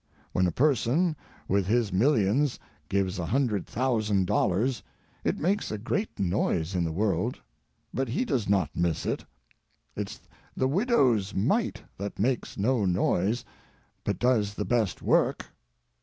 When a person with his millions gives a hundred thousand dollars it makes a great noise in the world, but he does not miss it; it's the widow's mite that makes no noise but does the best work.